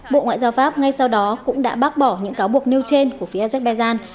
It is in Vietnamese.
bộ ngoại giao pháp ngay sau đó cũng đã bác bỏ những cáo buộc nêu trên của phía azerbaijan